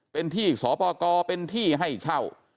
เป็นที่สปกรเป็นที่ให้เช่า